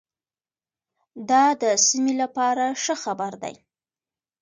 دا د سیمې لپاره ښه خبر دی.